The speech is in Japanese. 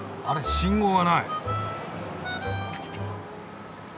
信号がない。